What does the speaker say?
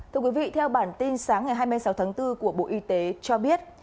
thưa quý vị theo bản tin sáng ngày hai mươi sáu tháng bốn của bộ y tế cho biết